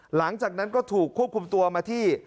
หลังจากนั้นก็ถูกควบคุมตัวมาที่